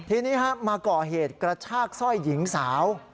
ทีนี้มาก่อเหตุกระชากสร้อยหญิงสาว